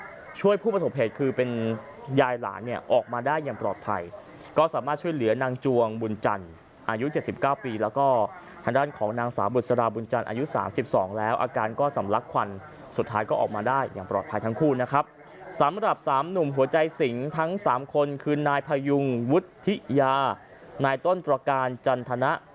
ช่วยผู้ประสบเหตุคือเป็นยายหลานเนี่ยออกมาได้อย่างปลอดภัยก็สามารถช่วยเหลือนางจวงบุญจันทร์อายุเจ็ดสิบเก้าปีแล้วก็ทางด้านของนางสาวบุษราบุญจันทร์อายุสามสิบสองแล้วอาการก็สำลักควันสุดท้ายก็ออกมาได้อย่างปลอดภัยทั้งคู่นะครับสำหรับสามหนุ่มหัวใจสิงทั้งสามคนคือนายพยุงวุฒิยานายต้นตรการจันทนะ